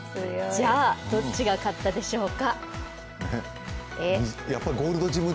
じゃあ、どっちが勝ったでしょうか？